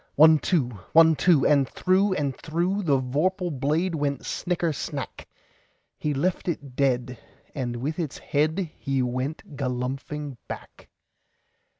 One, two! One, two! And through and throughThe vorpal blade went snicker snack! He left it dead, and with its headHe went galumphing back.